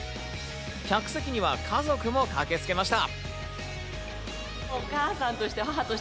客席には家族も駆けつけました。